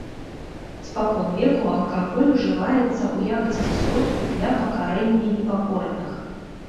Спакон веку алкаголь ужываецца ў якасці сродку для пакарэння непакорных.